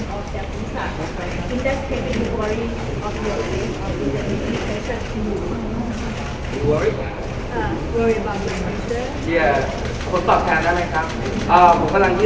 และที่ฐานก็คิดว่าจะยอมรับการคุยกันบ่อยสำหรับทุกคน